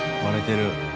割れてる。